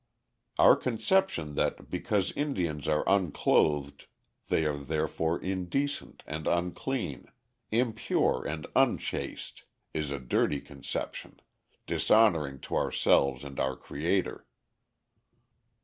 Our conception that because Indians are unclothed they are therefore indecent and unclean, impure and unchaste, is a dirty conception, dishonoring to ourselves and our Creator.